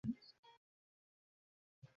সেখানে জনসংখ্যা-ও ঠিক একই কারণে হ্রাস পেয়েছে।